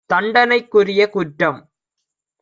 தண்டனைக்குரிய குற்றம்